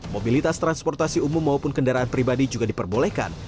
mobilitas transportasi umum maupun kendaraan pribadi juga diperbolehkan